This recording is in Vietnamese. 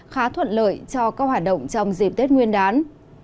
khá thuận lợi cho các hoạt động trong dịp tết nguyên đán